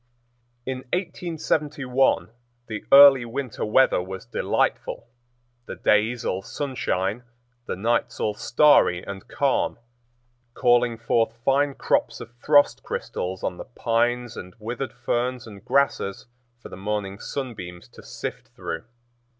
In 1871 the early winter weather was delightful; the days all sunshine, the nights all starry and calm, calling forth fine crops of frost crystals on the pines and withered ferns and grasses for the morning sunbeams to sift through.